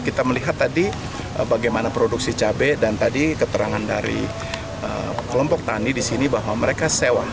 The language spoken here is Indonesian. kita melihat tadi bagaimana produksi cabai dan tadi keterangan dari kelompok tani di sini bahwa mereka sewa